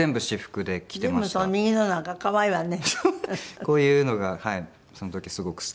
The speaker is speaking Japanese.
こういうのがその時すごく好きで。